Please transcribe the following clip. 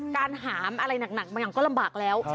การหามอะไรหนักมันก็ลำบากแล้ว